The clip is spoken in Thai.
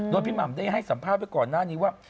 โดยพี่หม่ำได้ให้สัมภาษณ์ไว้ก่อนหน้านี้ว่า